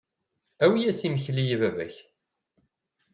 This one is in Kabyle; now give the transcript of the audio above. Awi-yas imekli i baba-k.